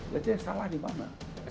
jadi salah di mana